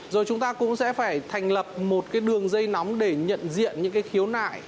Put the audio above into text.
rồi chúng ta cũng sẽ phải thành lập một cái đường dây nóng để nhận diện những cái khiếu nại